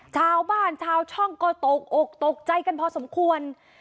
ชาวบ้านชาวช่องก็ตกอกตกใจกันพอสมควร